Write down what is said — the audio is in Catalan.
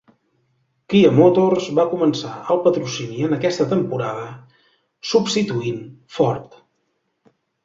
Kia Motors va començar el patrocini en aquesta temporada, substituint Ford.